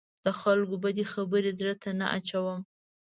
د خلکو بدې خبرې زړه ته نه اچوم.